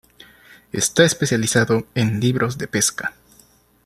Está especializado en libros de pesca.